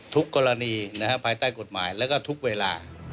ทุกกรณีภายใต้กฎหมายแล้วก็ทุกเวลา